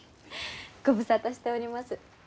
ご無沙汰しております。